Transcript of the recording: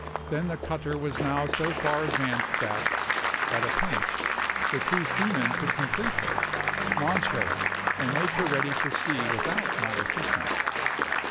Then the cutter was now so far advanced that, at a pinch, the two seamen could complete her, launch her, and make her ready for sea without my assistance.